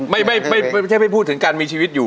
ไม่ใช่ไม่พูดถึงการมีชีวิตอยู่